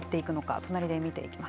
隣で見ていきます。